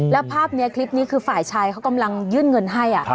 แล้วภาพนี้คลิปนี้คือฝ่ายชายเขากำลังยื่นเงินให้